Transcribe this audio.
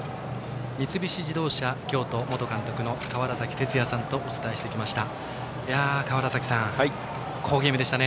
三菱自動車京都元監督の川原崎哲也さんとお伝えしてきました。